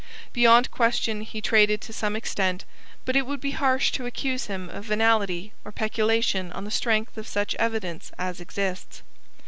Beyond question he traded to some extent, but it would be harsh to accuse him of venality or peculation on the strength of such evidence as exists.